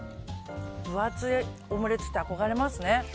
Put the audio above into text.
分厚いオムレツって憧れますね。